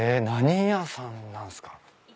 何屋さんなんすか？